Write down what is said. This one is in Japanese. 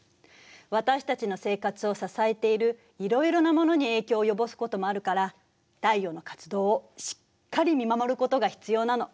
私たちの生活を支えているいろいろなものに影響を及ぼすこともあるから太陽の活動をしっかり見守ることが必要なの。